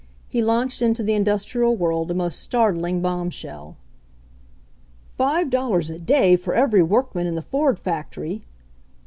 He launched into the industrial world a most startling bombshell. "Five dollars a day for every workman in the Ford factory!"